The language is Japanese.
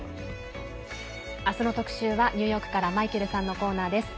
あすの特集は、ニューヨークからマイケルさんのコーナーです。